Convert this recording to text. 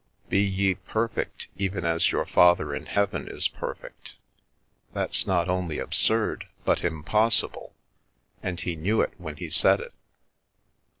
' Be ye perfect, even as your Father in Heaven is perfect '—that's not only ab surd, but impossible, and He knew it when He said it.